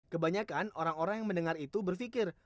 kebanyakan orang orang yang mendengar itu berpikir